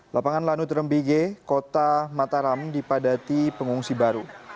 lapangan lanut rembige kota mataram dipadati pengungsi baru